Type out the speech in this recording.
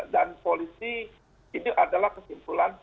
dan polisi ini adalah kesimpulan